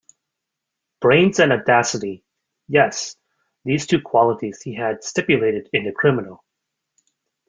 Brains and audacity — yes, these two qualities he had stipulated in the criminal.